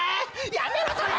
やめろそれ！